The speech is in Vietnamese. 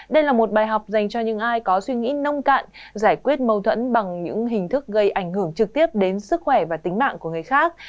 đây là một bài học dành cho những ai có suy nghĩ nông cạn giải quyết mâu thuẫn bằng những hình thức gây ảnh hưởng trực tiếp đến sức khỏe và tính mạng của người khác